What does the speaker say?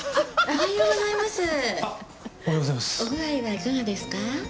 お具合はいかがですか？